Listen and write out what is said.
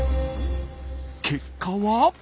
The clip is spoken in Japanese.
結果は。